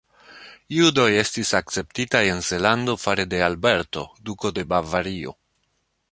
Judoj estis akceptitaj en Zelando fare de Alberto, Duko de Bavario.